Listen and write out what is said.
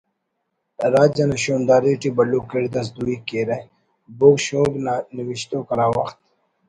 راج انا شونداری ٹی بھلو کڑد اس دوئی کیرہ بوگ شوگ نا نوشتوک ہرا وخت